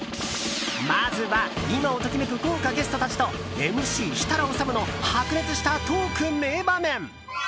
まずは、今を時めく豪華ゲストたちとＭＣ設楽統の白熱したトーク名場面。